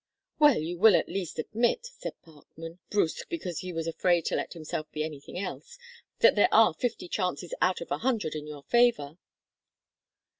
"Well you will at least admit," said Parkman brusque because he was afraid to let himself be anything else "that there are fifty chances out of a hundred in your favour?"